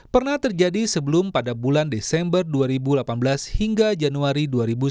pernah terjadi sebelum pada bulan desember dua ribu delapan belas hingga januari dua ribu sembilan belas